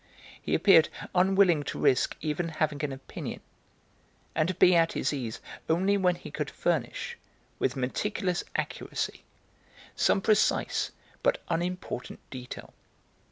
He appeared unwilling to risk even having an opinion, and to be at his ease only when he could furnish, with meticulous accuracy, some precise but unimportant detail.